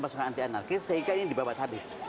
masukkan anti anarkis sehingga ini dibabat habis